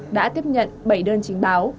đã tiếp nhận bảy đơn chính báo